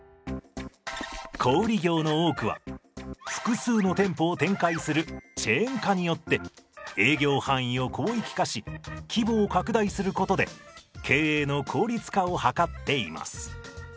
小売業の多くは複数の店舗を展開するチェーン化によって営業範囲を広域化し規模を拡大することで経営の効率化を図っています。